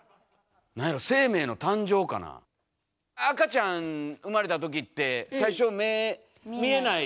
なんやろ赤ちゃん産まれた時って最初目見えない。